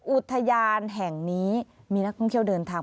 อุทยานแห่งนี้มีนักท่องเที่ยวเดินทาง